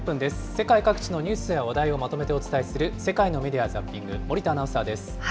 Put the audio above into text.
世界各地のニュースや話題をまとめてお伝えする世界のメディア・ザッピング、森田アナウンサーです。